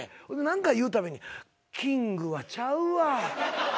ほんで何か言うたびに「キングはちゃうわ」